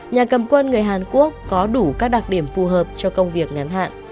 nhà cầm quân người hàn quốc có đủ các đặc điểm phù hợp cho công việc ngắn hạn